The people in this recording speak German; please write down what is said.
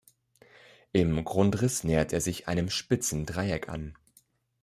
Im Grundriss nähert er sich einem spitzen Dreieck an.